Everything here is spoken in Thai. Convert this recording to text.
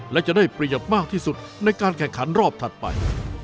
และจะได้เปรียบมากที่สุดในการแข่งขันรอบถัดไป